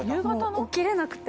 起きれなくて。